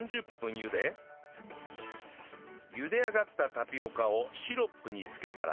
茹で上がったタピオカをシロップに漬けたら